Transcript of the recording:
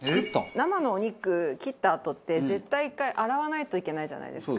生のお肉切ったあとって絶対１回洗わないといけないじゃないですか。